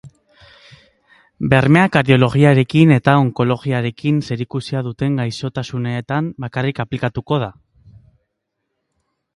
Bermea kardiologiarekin eta onkologiarekin zerikusia duten gaixotasunetan bakarrik aplikatuko da.